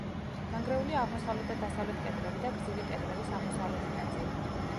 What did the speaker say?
დანგრეულია აღმოსავლეთ და დასავლეთ კედლები და გრძივი კედლების აღმოსავლეთი ნაწილი.